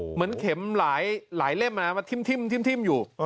เหมือนเข็มหลายเล่มมาทิ้มอยู่